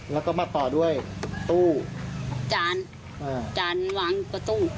แล้วก็มาต่อด้วยตู้จานจานวางประตู